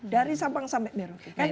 dari sabang sampai merauke